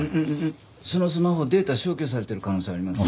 そのスマホデータ消去されてる可能性ありますね。